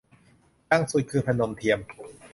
ดังสุดคือ พนมเทียม